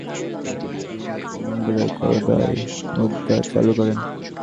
তিনি ঐতিহ্যবাহী মঙ্গোলীয় কায়দায় মুদ্রা চালু করেন।